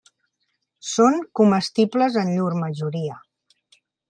Són comestibles en llur majoria.